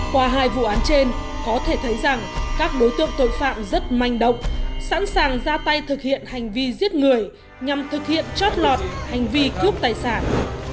qua hai vụ án trên có thể thấy rằng các đối tượng tội phạm rất manh động sẵn sàng ra tay thực hiện hành vi giết người nhằm thực hiện trót lọt hành vi cướp tài sản